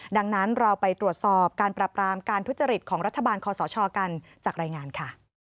ดังนั้นเราไปตรวจสอบการปรับรามการทุจริตของรัฐบาลคอสชกันจากรายงานค่ะ